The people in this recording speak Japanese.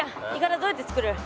どうやって作る？